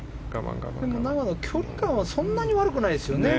永野、距離感はそんなに悪くないよね。